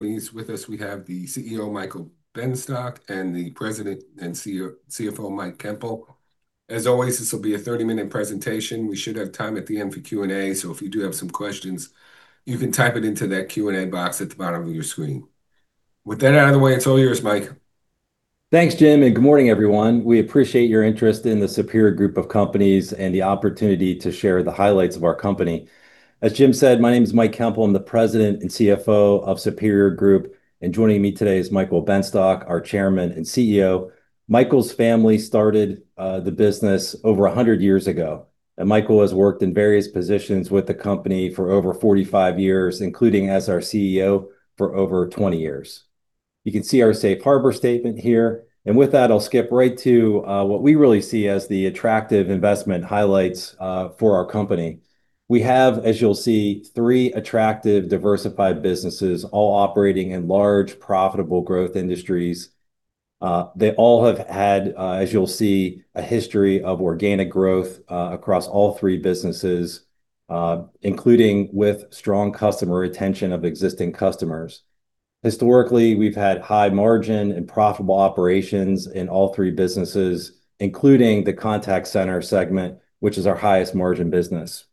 With us we have the CEO Michael Benstock and the president and CFO Mike Koempel. As always, this will be a 30-minute presentation. We should have time at the end for Q&A, so if you do have some questions, you can type it into that Q&A box at the bottom of your screen. With that out of the way, it's all yours, Mike. Thanks, James, and good morning, everyone. We appreciate your interest in the Superior Group of Companies and the opportunity to share the highlights of our company. As James said, my name is Mike Koempel. I'm the president and CFO of Superior Group of Companies, and joining me today is Michael Benstock, our chairman and CEO. Michael's family started the business over 100 years ago, and Michael has worked in various positions with the company for over 45 years, including as our CEO for over 20 years. You can see our safe harbor statement here. With that, I'll skip right to what we really see as the attractive investment highlights for our company. We have, as you'll see, three attractive, diversified businesses, all operating in large, profitable growth industries. They all have had, as you'll see, a history of organic growth across all three businesses, including with strong customer retention of existing customers. Historically, we've had high margin and profitable operations in all three businesses, including the contact center segment, which is our highest margin business.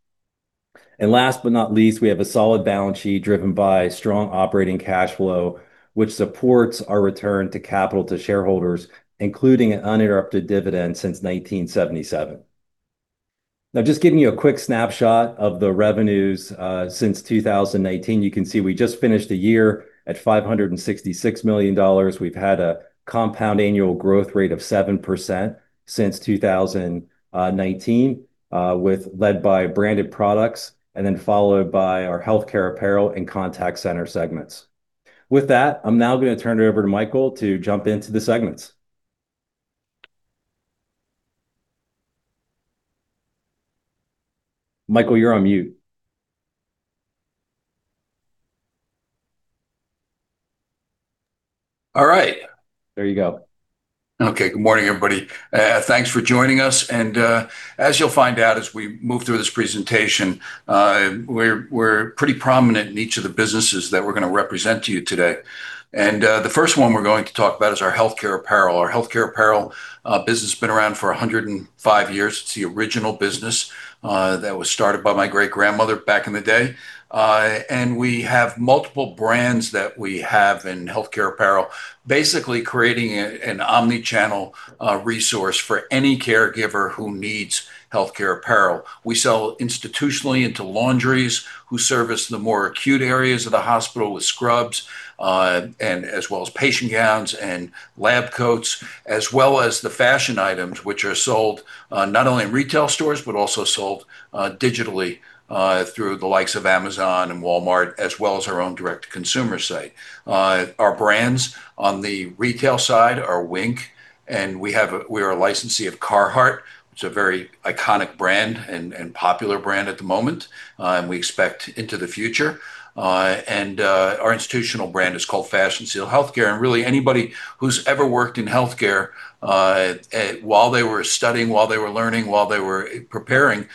Last but not least, we have a solid balance sheet driven by strong operating cash flow, which supports our return of capital to shareholders, including an uninterrupted dividend since 1977. Now, just giving you a quick snapshot of the revenues since 2018. You can see we just finished a year at $566 million. We've had a compound annual growth rate of 7% since 2019, with, led by branded products and then followed by our healthcare apparel and contact center segments. With that, I'm now gonna turn it over to Michael to jump into the segments. Michael, you're on mute. All right. There you go. Okay. Good morning, everybody. Thanks for joining us. As you'll find out as we move through this presentation, we're pretty prominent in each of the businesses that we're gonna represent to you today. The first one we're going to talk about is our healthcare apparel. Our healthcare apparel business has been around for 105 years. It's the original business that was started by my great-grandmother back in the day. We have multiple brands that we have in healthcare apparel, basically creating an omni-channel resource for any caregiver who needs healthcare apparel. We sell institutionally into laundries who service the more acute areas of the hospital with scrubs, and as well as patient gowns and lab coats, as well as the fashion items, which are sold, not only in retail stores, but also sold, digitally, through the likes of Amazon and Walmart, as well as our own direct-to-consumer site. Our brands on the retail side are Wink, and we're a licensee of Carhartt. It's a very iconic brand and popular brand at the moment, and we expect into the future. Our institutional brand is called Fashion Seal Healthcare. Really anybody who's ever worked in healthcare, while they were studying, while they were learning, while they were preparing,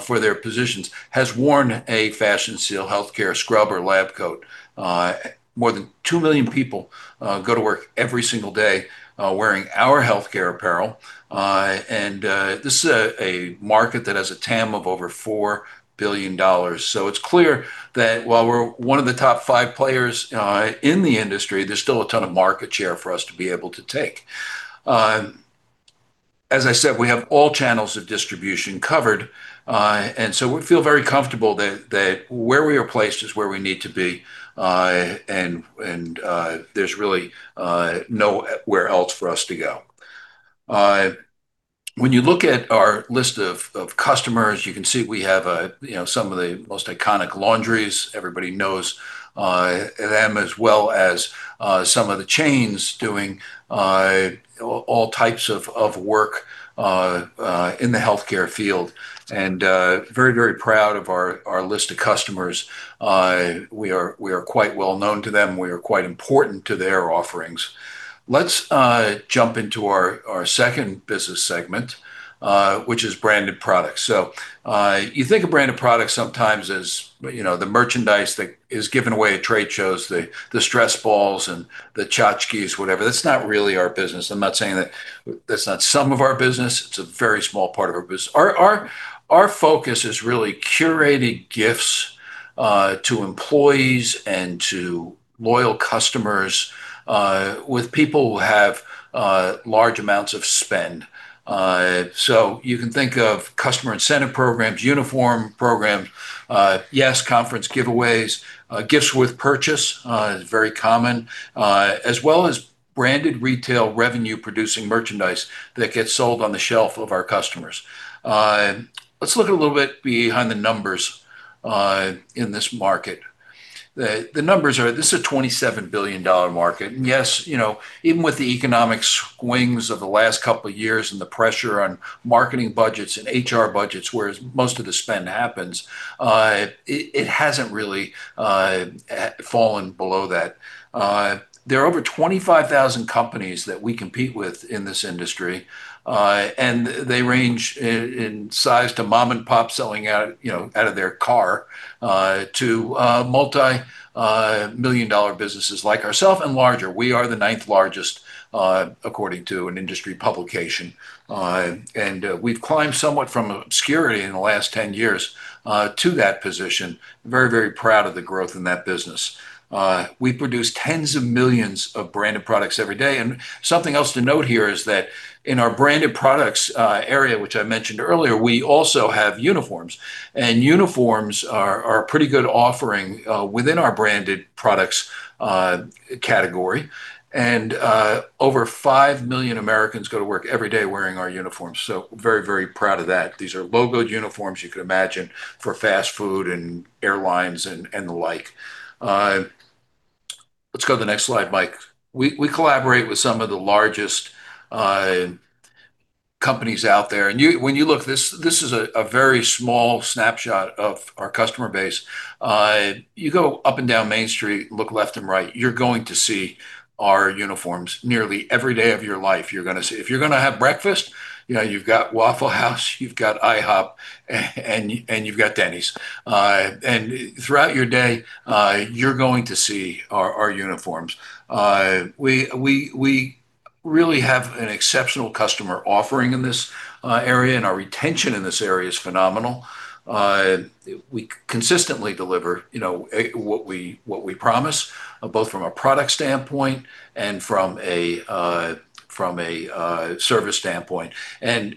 for their positions, has worn a Fashion Seal Healthcare scrub or lab coat. More than two million people go to work every single day wearing our healthcare apparel. This is a market that has a TAM of over $4 billion. It's clear that while we're one of the top five players in the industry, there's still a ton of market share for us to be able to take. As I said, we have all channels of distribution covered, and we feel very comfortable that where we are placed is where we need to be, and there's really nowhere else for us to go. When you look at our list of customers, you can see we have you know, some of the most iconic laundries. Everybody knows them as well as some of the chains doing all types of work in the healthcare field and very proud of our list of customers. We are quite well known to them. We are quite important to their offerings. Let's jump into our second business segment, which is branded products. You think of branded products sometimes as, you know, the merchandise that is given away at trade shows, the stress balls and the tchotchkes, whatever. That's not really our business. I'm not saying that that's not some of our business. It's a very small part of our business. Our focus is really curating gifts to employees and to loyal customers with people who have large amounts of spend. So you can think of customer incentive programs, uniform programs, yes, conference giveaways, gifts with purchase, is very common, as well as branded retail revenue-producing merchandise that gets sold on the shelf of our customers. Let's look a little bit behind the numbers in this market. The numbers are. This is a $27 billion market. Yes, you know, even with the economic swings of the last couple of years and the pressure on marketing budgets and HR budgets where most of the spend happens, it hasn't really fallen below that. There are over 25,000 companies that we compete with in this industry, and they range in size from mom-and-pop selling out of their car, you know, to multi-million-dollar businesses like ourselves and larger. We are the ninth largest, according to an industry publication. We've climbed somewhat from obscurity in the last 10 years to that position. Very, very proud of the growth in that business. We produce tens of millions of branded products every day. Something else to note here is that in our branded products area, which I mentioned earlier, we also have uniforms. Uniforms are a pretty good offering within our branded products category. Over five million Americans go to work every day wearing our uniforms, so very, very proud of that. These are logoed uniforms you could imagine for fast food and airlines and the like. Let's go to the next slide, Mike. We collaborate with some of the largest companies out there. You... When you look, this is a very small snapshot of our customer base. You go up and down Main Street, look left and right, you're going to see our uniforms. Nearly every day of your life, you're gonna see. If you're gonna have breakfast, you know, you've got Waffle House, you've got IHOP, and you've got Denny's. Throughout your day, you're going to see our uniforms. We really have an exceptional customer offering in this area, and our retention in this area is phenomenal. We consistently deliver, you know, what we promise, both from a product standpoint and from a service standpoint.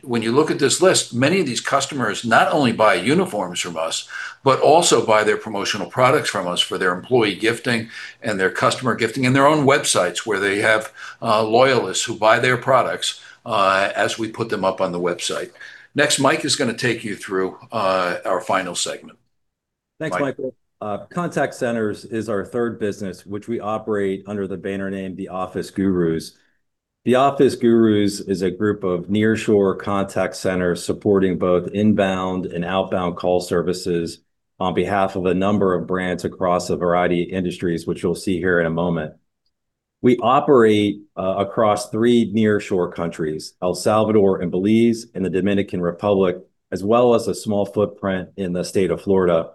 When you look at this list, many of these customers not only buy uniforms from us, but also buy their promotional products from us for their employee gifting and their customer gifting in their own websites where they have loyalists who buy their products, as we put them up on the website. Next, Mike is gonna take you through our final segment. Mike. Thanks, Michael. Contact centers is our third business, which we operate under the banner name The Office Gurus. The Office Gurus is a group of nearshore contact centers supporting both inbound and outbound call services on behalf of a number of brands across a variety of industries, which you'll see here in a moment. We operate across three nearshore countries, El Salvador and Belize and the Dominican Republic, as well as a small footprint in the state of Florida.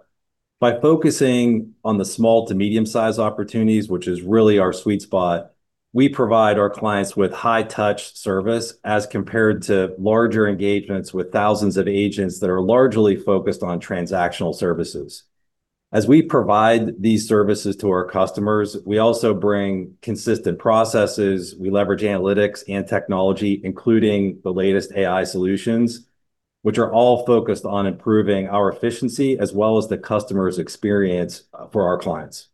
By focusing on the small to medium size opportunities, which is really our sweet spot, we provide our clients with high-touch service as compared to larger engagements with thousands of agents that are largely focused on transactional services. As we provide these services to our customers, we also bring consistent processes, we leverage analytics and technology, including the latest AI solutions, which are all focused on improving our efficiency as well as the customer's experience for our clients.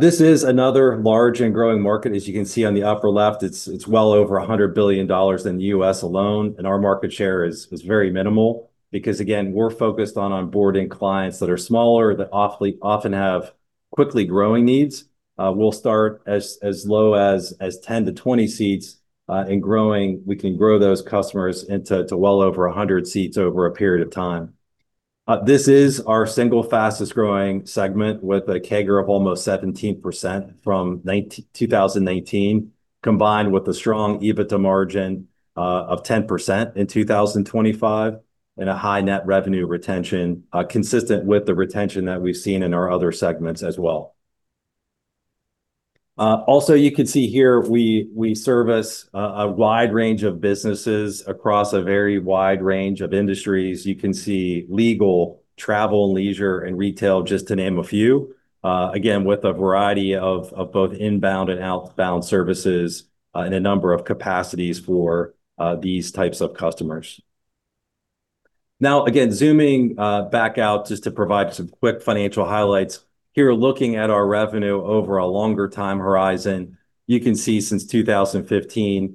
This is another large and growing market. As you can see on the upper left, it's well over $100 billion in the US alone, and our market share is very minimal because, again, we're focused on onboarding clients that are smaller, that often have quickly growing needs. We'll start as low as 10-20 seats, and growing. We can grow those customers into well over 100 seats over a period of time. This is our single fastest-growing segment with a CAGR of almost 17% from 2018, combined with a strong EBITDA margin of 10% in 2025 and a high net revenue retention consistent with the retention that we've seen in our other segments as well. Also, you can see here we service a wide range of businesses across a very wide range of industries. You can see legal, travel and leisure, and retail, just to name a few, again, with a variety of both inbound and outbound services in a number of capacities for these types of customers. Now, again, zooming back out just to provide some quick financial highlights. Here, looking at our revenue over a longer time horizon, you can see since 2015,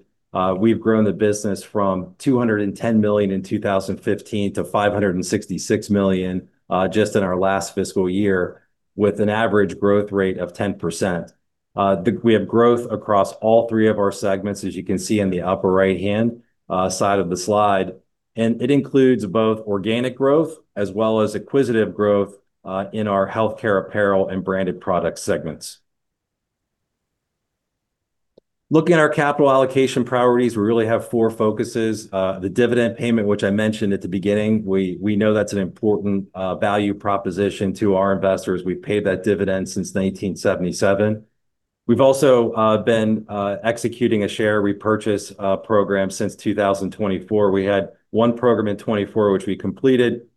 we've grown the business from $210 million in 2015 to $566 million, just in our last fiscal year, with an average growth rate of 10%. We have growth across all three of our segments, as you can see in the upper right-hand side of the slide, and it includes both organic growth as well as acquisitive growth in our healthcare apparel and branded product segments. Looking at our capital allocation priorities, we really have four focuses. The dividend payment, which I mentioned at the beginning. We know that's an important value proposition to our investors. We've paid that dividend since 1977. We've also been executing a share repurchase program since 2024. We had one program in 2024, which we completed.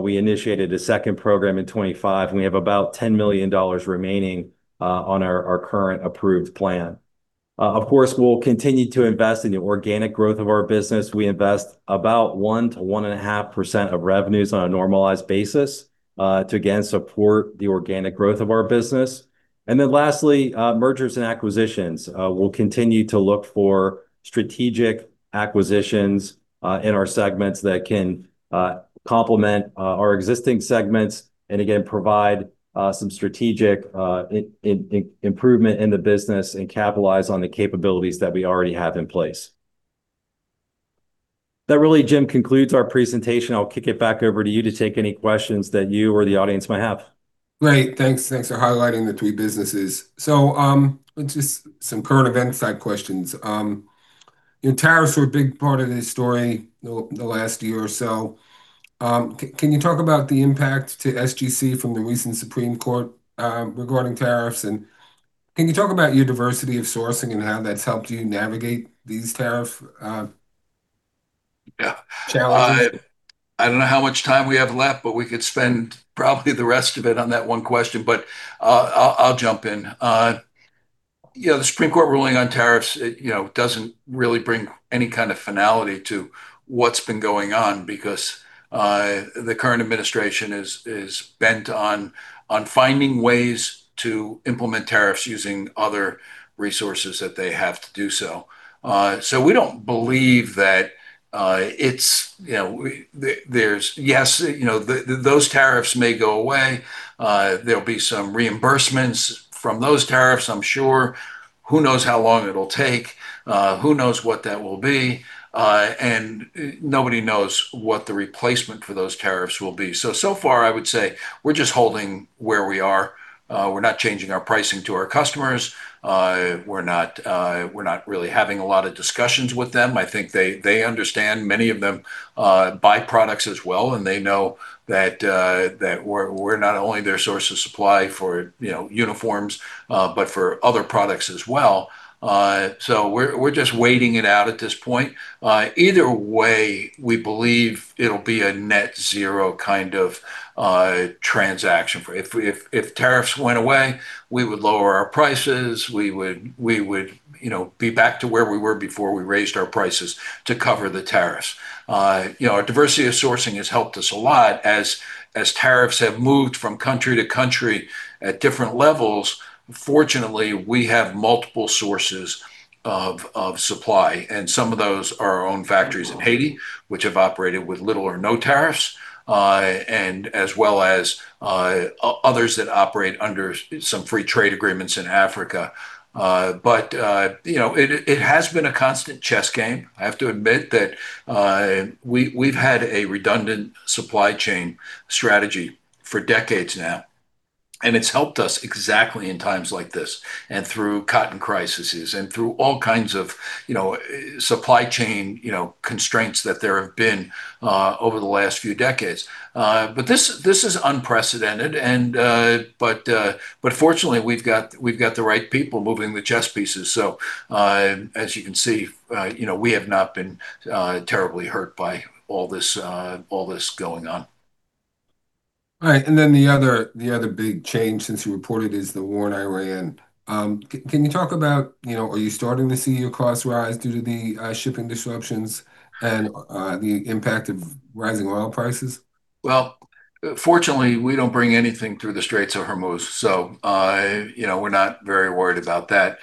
We initiated a second program in 2025, and we have about $10 million remaining on our current approved plan. Of course, we'll continue to invest in the organic growth of our business. We invest about 1%-1.5% of revenues on a normalized basis to again support the organic growth of our business. Then lastly, mergers and acquisitions. We'll continue to look for strategic acquisitions in our segments that can complement our existing segments, and again, provide some strategic improvement in the business and capitalize on the capabilities that we already have in place. That really, James, concludes our presentation. I'll kick it back over to you to take any questions that you or the audience might have. Great. Thanks. Thanks for highlighting the three businesses. Let's just some current events-side questions. You know, tariffs were a big part of this story the last year or so. Can you talk about the impact to SGC from the recent Supreme Court regarding tariffs, and can you talk about your diversity of sourcing and how that's helped you navigate these tariff challenges? Yeah. I don't know how much time we have left, but we could spend probably the rest of it on that one question, but I'll jump in. You know, the Supreme Court ruling on tariffs, it, you know, doesn't really bring any kind of finality to what's been going on because the current administration is bent on finding ways to implement tariffs using other resources that they have to do so. So we don't believe that it's, you know, those tariffs may go away. There'll be some reimbursements from those tariffs, I'm sure. Who knows how long it'll take? Who knows what that will be? And nobody knows what the replacement for those tariffs will be. So far, I would say we're just holding where we are. We're not changing our pricing to our customers. We're not really having a lot of discussions with them. I think they understand. Many of them buy products as well, and they know that we're not only their source of supply for, you know, uniforms, but for other products as well. We're just waiting it out at this point. Either way, we believe it'll be a net zero kind of transaction. If tariffs went away, we would lower our prices. We would, you know, be back to where we were before we raised our prices to cover the tariffs. You know, our diversity of sourcing has helped us a lot. As tariffs have moved from country to country at different levels, fortunately, we have multiple sources of supply, and some of those are our own factories in Haiti, which have operated with little or no tariffs, and as well as others that operate under some free trade agreements in Africa. You know, it has been a constant chess game. I have to admit that we've had a redundant supply chain strategy for decades now, and it's helped us exactly in times like this and through cotton crises and through all kinds of, you know, supply chain, you know, constraints that there have been over the last few decades. This is unprecedented, and fortunately, we've got the right people moving the chess pieces. As you can see, you know, we have not been terribly hurt by all this going on. All right. The other big change since you reported is the war in Iran. Can you talk about, you know, are you starting to see your costs rise due to the shipping disruptions and the impact of rising oil prices? Well, fortunately, we don't bring anything through the Straits of Hormuz, so you know, we're not very worried about that.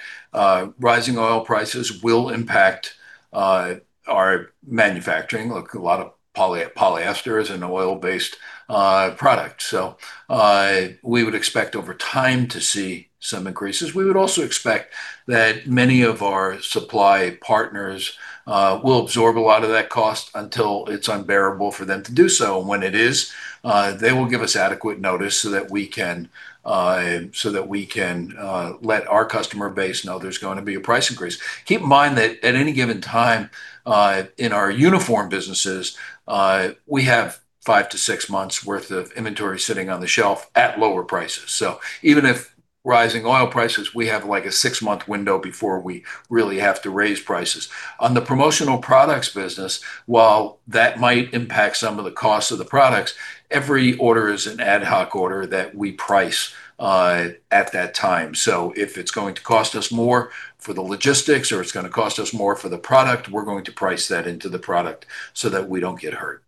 Rising oil prices will impact our manufacturing. Look, a lot of polyester is an oil-based product. We would expect over time to see some increases. We would also expect that many of our supply partners will absorb a lot of that cost until it's unbearable for them to do so. When it is, they will give us adequate notice so that we can let our customer base know there's gonna be a price increase. Keep in mind that at any given time in our uniform businesses, we have 5-6 months' worth of inventory sitting on the shelf at lower prices. Even if rising oil prices, we have like a 6-month window before we really have to raise prices. On the promotional products business, while that might impact some of the costs of the products, every order is an ad hoc order that we price at that time. If it's going to cost us more for the logistics or it's gonna cost us more for the product, we're going to price that into the product so that we don't get hurt.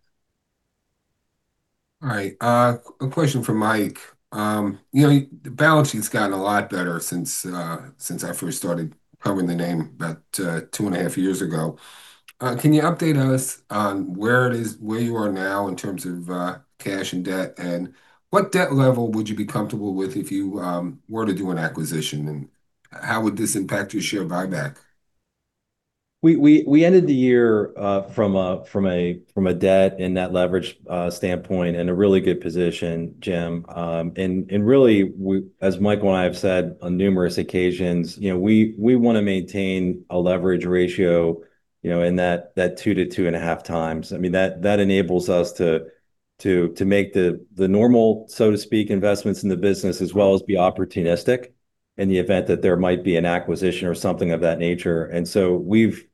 All right. A question from Mike. You know, the balance sheet's gotten a lot better since I first started covering the name about two and a half years ago. Can you update us on where you are now in terms of cash and debt, and what debt level would you be comfortable with if you were to do an acquisition, and how would this impact your share buyback? We ended the year from a debt and net leverage standpoint in a really good position, James. Really, as Michael and I have said on numerous occasions, you know, we wanna maintain a leverage ratio, you know, in that 2-2.5 times. I mean, that enables us to make the normal, so to speak, investments in the business as well as be opportunistic in the event that there might be an acquisition or something of that nature. We've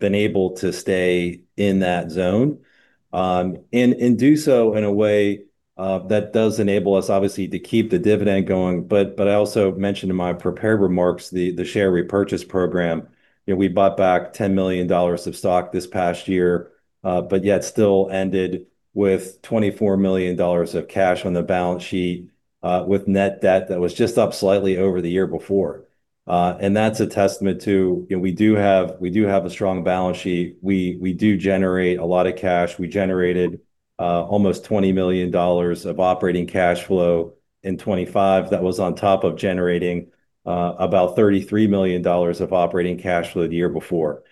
been able to stay in that zone and do so in a way that does enable us obviously to keep the dividend going. I also mentioned in my prepared remarks the share repurchase program. You know, we bought back $10 million of stock this past year. Yet still ended with $24 million of cash on the balance sheet, with net debt that was just up slightly over the year before. That's a testament to, you know, we do have a strong balance sheet. We do generate a lot of cash. We generated almost $20 million of operating cash flow in 2025. That was on top of generating about $33 million of operating cash flow the year before.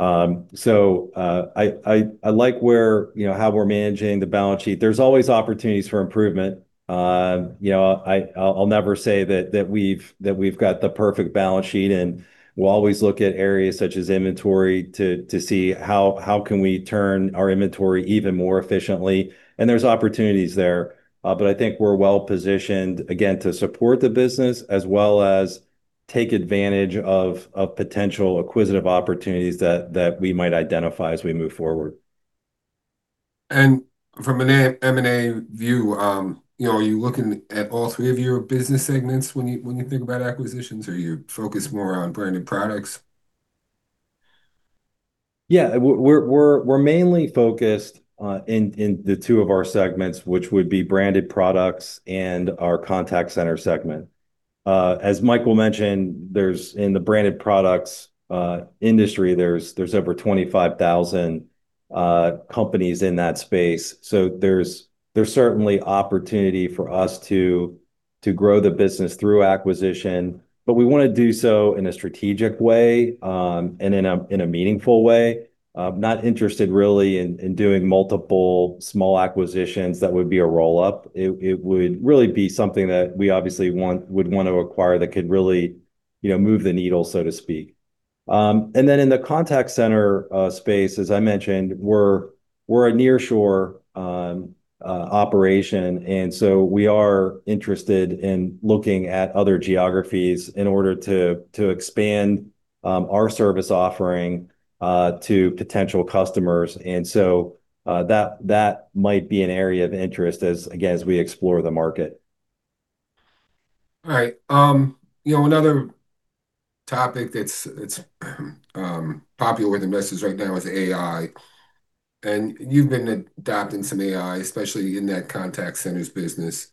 I like where, you know, how we're managing the balance sheet. There's always opportunities for improvement. You know, I'll never say that we've got the perfect balance sheet, and we'll always look at areas such as inventory to see how we can turn our inventory even more efficiently. There's opportunities there. I think we're well-positioned, again, to support the business as well as take advantage of potential acquisitive opportunities that we might identify as we move forward. From an M&A view, you know, are you looking at all three of your business segments when you think about acquisitions, or are you focused more on branded products? Yeah. We're mainly focused in the two of our segments, which would be branded products and our contact center segment. As Michael mentioned, in the branded products industry, there's over 25,000 companies in that space. There's certainly opportunity for us to grow the business through acquisition. We wanna do so in a strategic way, and in a meaningful way. Not interested really in doing multiple small acquisitions that would be a roll-up. It would really be something that we obviously would want to acquire that could really, you know, move the needle, so to speak. In the contact center space, as I mentioned, we're a nearshore operation, and so we are interested in looking at other geographies in order to expand our service offering to potential customers. That might be an area of interest as, again, as we explore the market. All right. You know, another topic that's popular with investors right now is AI. You've been adopting some AI, especially in that contact centers business.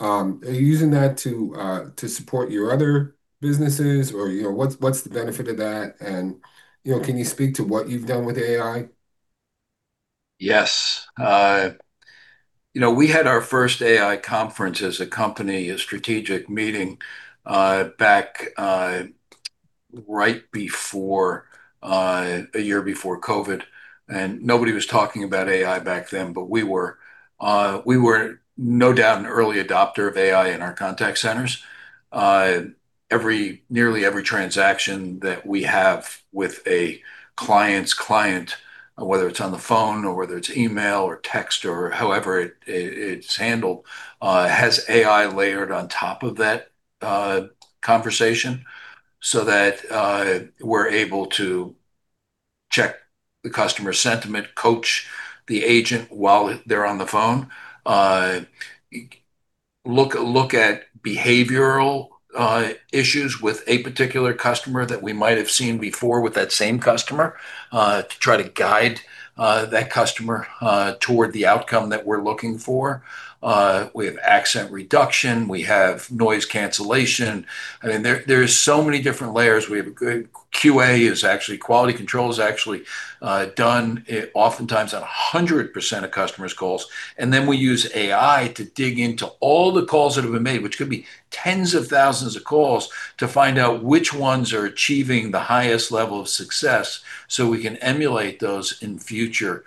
Are you using that to support your other businesses or, you know, what's the benefit of that and, you know, can you speak to what you've done with AI? Yes. You know, we had our first AI conference as a company, a strategic meeting, back right before a year before COVID, and nobody was talking about AI back then. But we were. We were no doubt an early adopter of AI in our contact centers. Nearly every transaction that we have with a client's client, whether it's on the phone or whether it's email or text or however it's handled, has AI layered on top of that conversation so that we're able to check the customer sentiment, coach the agent while they're on the phone, look at behavioral issues with a particular customer that we might have seen before with that same customer, to try to guide that customer toward the outcome that we're looking for. We have accent reduction. We have noise cancellation. I mean, there's so many different layers. QA is actually quality control is actually done oftentimes on 100% of customers' calls. We use AI to dig into all the calls that have been made, which could be tens of thousands of calls, to find out which ones are achieving the highest level of success, so we can emulate those in future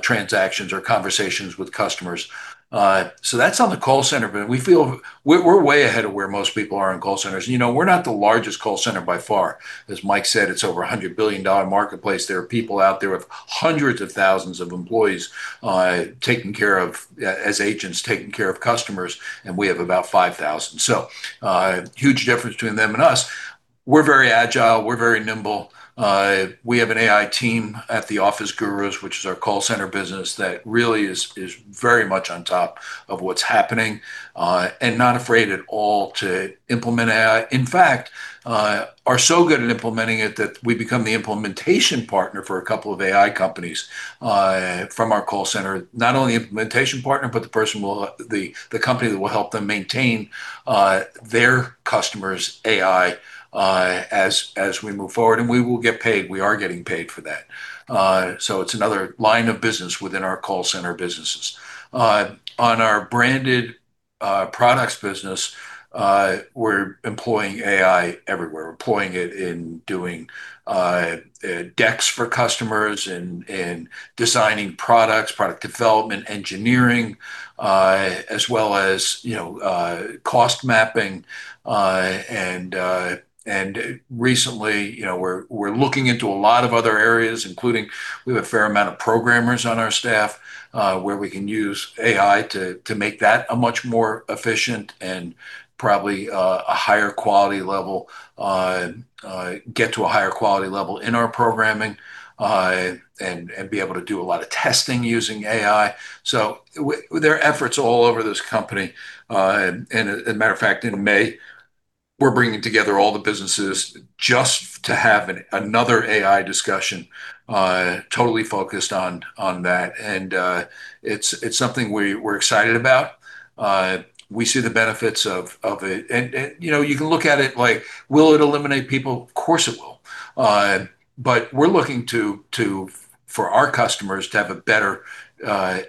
transactions or conversations with customers. That's on the call center, but we feel we're way ahead of where most people are in call centers. You know, we're not the largest call center by far. As Mike said, it's over a $100 billion marketplace. There are people out there with hundreds of thousands of employees taking care of customers as agents, and we have about 5,000. Huge difference between them and us. We're very agile. We're very nimble. We have an AI team at The Office Gurus, which is our call center business, that really is very much on top of what's happening and not afraid at all to implement AI. In fact, are so good at implementing it that we become the implementation partner for a couple of AI companies from our call center. Not only implementation partner, but the company that will help them maintain their customers' AI as we move forward. We will get paid. We are getting paid for that. It's another line of business within our call center businesses. On our branded products business, we're employing AI everywhere. We're employing it in doing decks for customers, in designing products, product development, engineering, as well as, you know, cost mapping. Recently, you know, we're looking into a lot of other areas, including we have a fair amount of programmers on our staff, where we can use AI to make that a much more efficient and probably get to a higher quality level in our programming, and be able to do a lot of testing using AI. There are efforts all over this company. As a matter of fact, in May, we're bringing together all the businesses just to have another AI discussion, totally focused on that. It's something we're excited about. We see the benefits of it. You know, you can look at it like, will it eliminate people? Of course, it will. But we're looking for our customers to have a better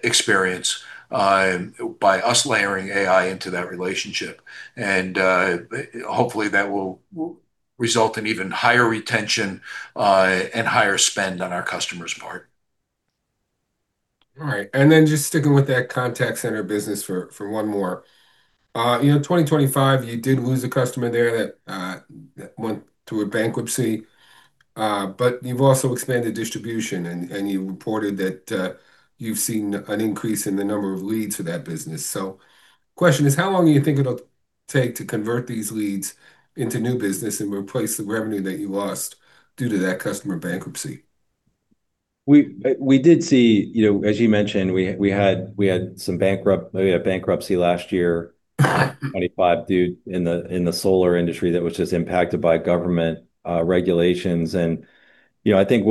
experience by us layering AI into that relationship. Hopefully, that will result in even higher retention and higher spend on our customers' part. All right. Just sticking with that contact center business for one more. You know, 2025 you did lose a customer there that went through a bankruptcy. But you've also expanded distribution and you reported that you've seen an increase in the number of leads for that business. Question is, how long do you think it'll take to convert these leads into new business and replace the revenue that you lost due to that customer bankruptcy? We did see, you know, as you mentioned, we had a bankruptcy last year in the solar industry that was just impacted by government regulations. You know, I think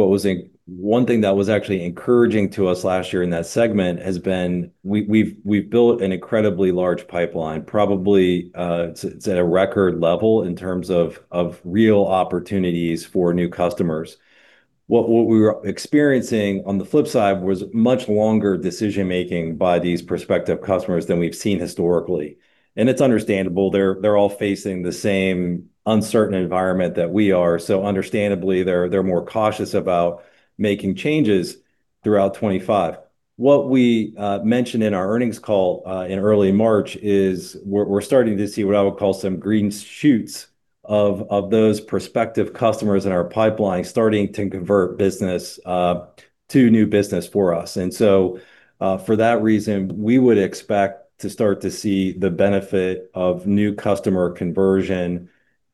one thing that was actually encouraging to us last year in that segment has been we've built an incredibly large pipeline. Probably, it's at a record level in terms of real opportunities for new customers. What we were experiencing on the flip side was much longer decision-making by these prospective customers than we've seen historically. It's understandable. They're all facing the same uncertain environment that we are. Understandably, they're more cautious about making changes throughout 2025. What we mentioned in our earnings call in early March is we're starting to see what I would call some green shoots of those prospective customers in our pipeline starting to convert business to new business for us. For that reason, we would expect to start to see the benefit of new customer conversion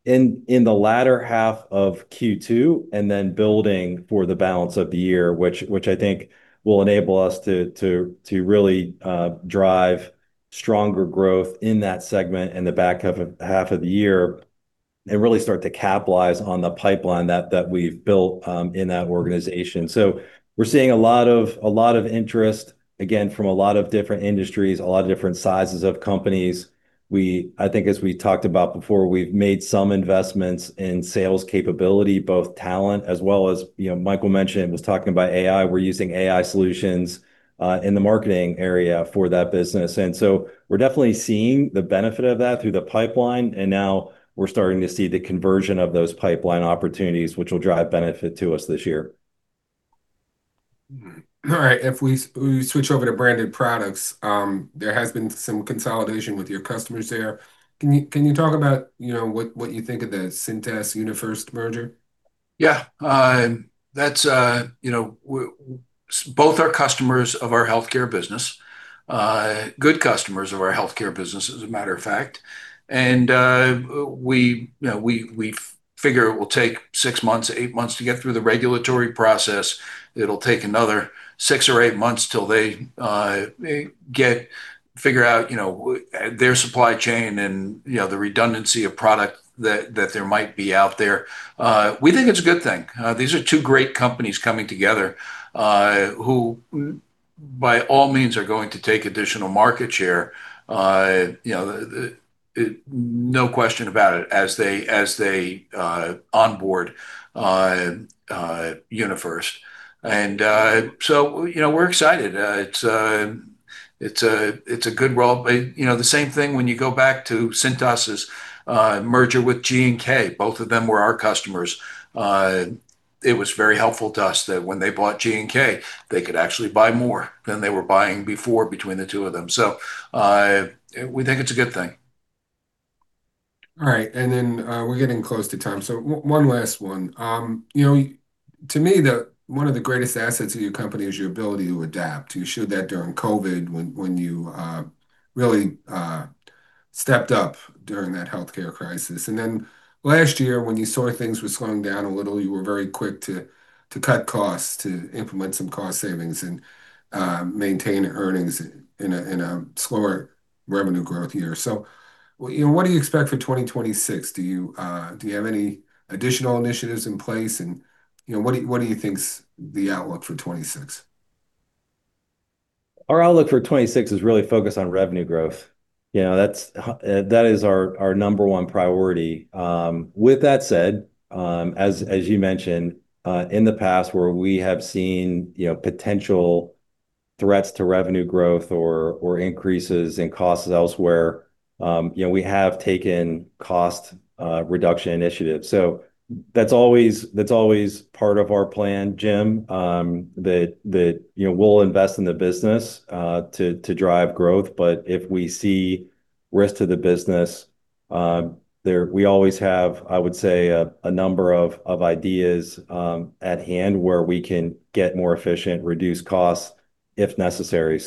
in the latter half of Q2, and then building for the balance of the year, which I think will enable us to really drive stronger growth in that segment in the back half of the year, and really start to capitalize on the pipeline that we've built in that organization. We're seeing a lot of interest, again, from a lot of different industries, a lot of different sizes of companies. I think as we talked about before, we've made some investments in sales capability, both talent as well as, you know, Michael mentioned, was talking about AI. We're using AI solutions in the marketing area for that business. We're definitely seeing the benefit of that through the pipeline, and now we're starting to see the conversion of those pipeline opportunities, which will drive benefit to us this year. All right. If we switch over to Branded Products, there has been some consolidation with your customers there. Can you talk about, you know, what you think of the Cintas/UniFirst merger? Yeah. That's, you know, both are customers of our healthcare business. Good customers of our healthcare business, as a matter of fact. We figure it will take six months, eight months to get through the regulatory process. It'll take another six or eight months till they figure out, you know, their supply chain and, you know, the redundancy of product that there might be out there. We think it's a good thing. These are two great companies coming together, who by all means are going to take additional market share. You know, the no question about it, as they onboard UniFirst. You know, we're excited. It's a good deal. You know, the same thing when you go back to Cintas's merger with G&K. Both of them were our customers. It was very helpful to us that when they bought G&K, they could actually buy more than they were buying before between the two of them. We think it's a good thing. All right. We're getting close to time, so one last one. You know, to me, one of the greatest assets of your company is your ability to adapt. You showed that during COVID when you really stepped up during that healthcare crisis. Last year, when you saw things were slowing down a little, you were very quick to cut costs, to implement some cost savings and maintain earnings in a slower revenue growth year. You know, what do you expect for 2026? Do you have any additional initiatives in place? You know, what do you think is the outlook for 2026? Our outlook for 2026 is really focused on revenue growth. You know, that's that is our number one priority. With that said, as you mentioned, in the past where we have seen, you know, potential threats to revenue growth or increases in costs elsewhere, you know, we have taken cost reduction initiatives. That's always part of our plan, James, that you know, we'll invest in the business to drive growth. But if we see risk to the business, we always have, I would say, a number of ideas at hand where we can get more efficient, reduce costs if necessary.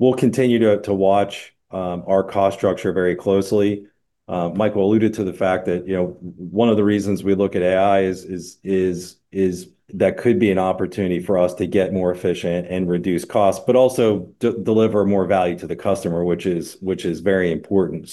We'll continue to watch our cost structure very closely. Michael alluded to the fact that, you know, one of the reasons we look at AI is that could be an opportunity for us to get more efficient and reduce costs, but also deliver more value to the customer, which is very important.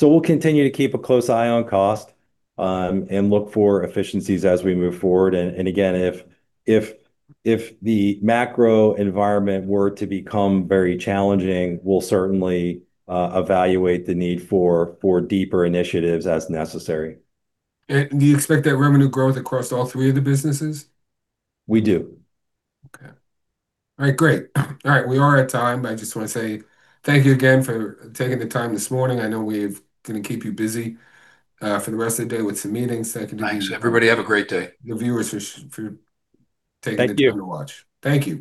We'll continue to keep a close eye on cost and look for efficiencies as we move forward. Again, if the macro environment were to become very challenging, we'll certainly evaluate the need for deeper initiatives as necessary. Do you expect that revenue growth across all three of the businesses? We do. Okay. All right. Great. All right. We are at time. I just wanna say thank you again for taking the time this morning. I know we're gonna keep you busy for the rest of the day with some meetings, so I continue to. Thanks, everybody. Have a great day the viewers for taking the time to watch. Thank you.